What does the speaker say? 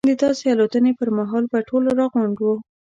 د داسې الوتنې پر مهال به ټول راغونډ وو.